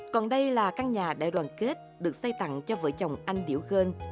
còn đây là các nhà đại đoàn kết được xây tặng cho vợ chồng anh điễu gơn